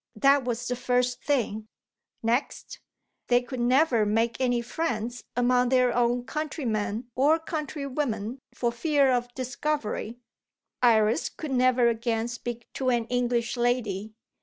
That was the first thing. Next, they could never make any friends among their own countrymen or countrywomen for fear of discovery. Iris could never again speak to an English lady.